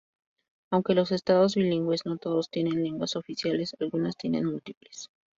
Aunque los estados bilingües no todos tienen lenguas oficiales, algunas tienen múltiples.